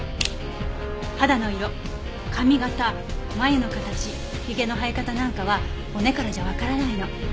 肌の色髪形眉の形髭の生え方なんかは骨からじゃわからないの。